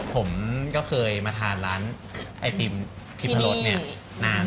ผมก็เคยมาทานร้านไอติมทิพรสเนี่ยนาน